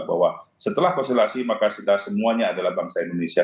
bahwa setelah konsultasi maka kita semuanya adalah bangsa indonesia